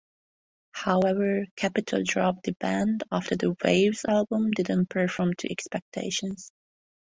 However, Capitol dropped the band after the "Waves" album didn't perform to expectations.